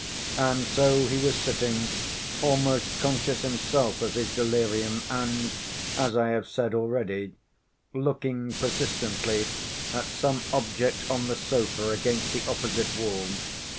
And so he was sitting almost conscious himself of his delirium and, as I have said already, looking persistently at some object on the sofa against the opposite wall.